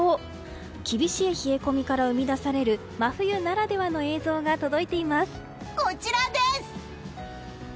厳しい冷え込みから生み出される真冬ならではの映像がこちらです！